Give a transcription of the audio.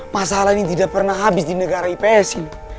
masalah ini tidak pernah habis di negara ips ini